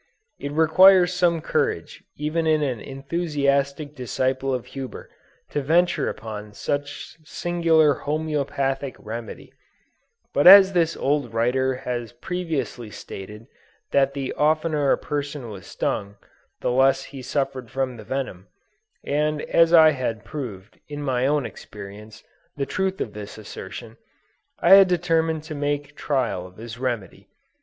It requires some courage even in an enthusiastic disciple of Huber, to venture upon such a singular homeopathic remedy; but as this old writer had previously stated that the oftener a person was stung, the less he suffered from the venom, and as I had proved, in my own experience, the truth of this assertion, I determined to make trial of his remedy.